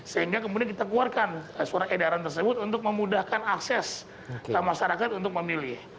sehingga kemudian kita keluarkan surat edaran tersebut untuk memudahkan akses masyarakat untuk memilih